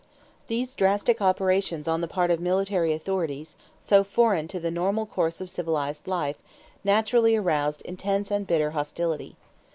These drastic operations on the part of military authorities, so foreign to the normal course of civilized life, naturally aroused intense and bitter hostility.